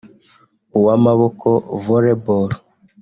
uw’amaboko (Volley ball)